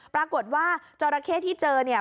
ปรากฏว่าจราเข้ที่เจอเนี่ย